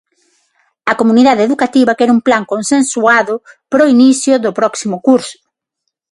A comunidade educativa quere un plan consensuado para o inicio do próximo curso.